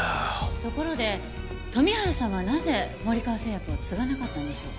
ところで富治さんはなぜ森川製薬を継がなかったんでしょう？